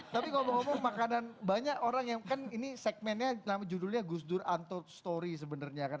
tapi ngomong ngomong makanan banyak orang yang kan ini segmennya judulnya gus dur untold story sebenarnya kan